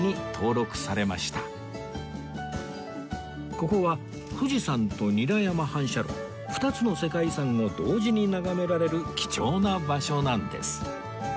ここは富士山と韮山反射炉２つの世界遺産を同時に眺められる貴重な場所なんです